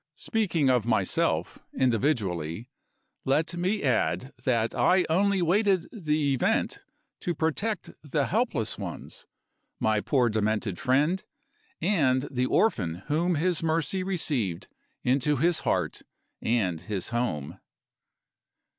Speaking of myself, individually, let me add that I only waited the event to protect the helpless ones my poor demented friend, and the orphan whom his mercy received into his heart and his home.